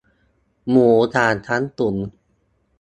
หมูสามชั้นตุ๋น